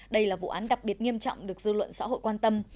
đây là vụ án đặc biệt nghiêm trọng được dư luận xã hội quan tâm